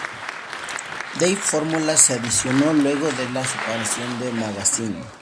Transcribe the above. Dave Formula se adicionó luego de la separación de Magazine.